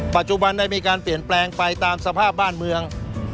ปัจจุบันได้มีการเปลี่ยนแปลงไปตามสภาพบ้านเมือง